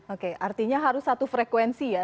oke artinya harus satu frekuensi ya